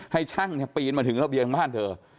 ให้ช่างปีนมาถึงระเบียงบ้านเธอ